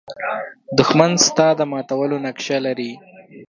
دښمن د ستا د ماتولو نقشه لري